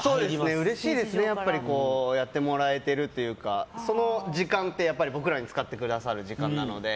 うれしいですねやってもらえてるというかその時間って僕らに使ってくださる時間なので。